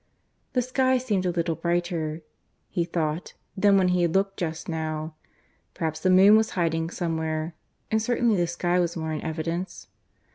The sky seemed a little brighter, he thought, than when he had looked just now. Perhaps the moon was hiding somewhere. And certainly the sky was more in evidence.